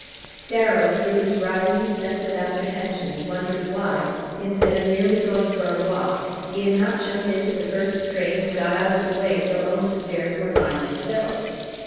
Darrow, through his rising sense of apprehension, wondered why, instead of merely going for a walk, he had not jumped into the first train and got out of the way till Owen's affairs were finally settled.